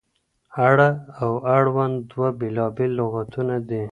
اړه او اړوند دوه بېلابېل لغتونه دي.